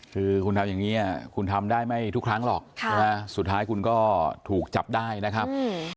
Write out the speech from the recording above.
คือคุณทำอย่างนี้คุณทำได้ไม่ทุกครั้งหรอกใช่ไหมสุดท้ายคุณก็ถูกจับได้นะครับ